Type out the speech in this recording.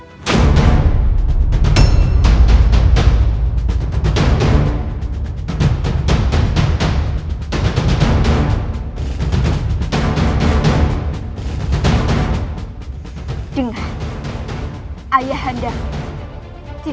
akan ber dynamics